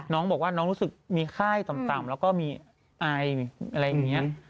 น้องบอกว่าน้องรู้สึกมีไข้ต่ำแล้วก็มีไออะไรอย่างนี้